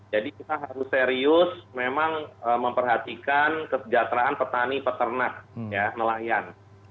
jadi kita harus serius memang memperhatikan kesejahteraan petani peternak ya nelayan